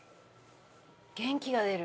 元気が出る。